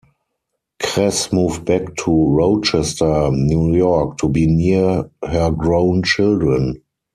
Kress moved back to Rochester, New York, to be near her grown children.